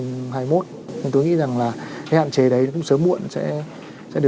nên tôi nghĩ rằng là cái hạn chế đấy cũng sớm muộn sẽ được giải quyết thôi